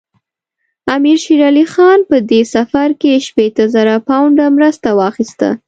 امیر شېر علي خان په دې سفر کې شپېته زره پونډه مرسته واخیسته.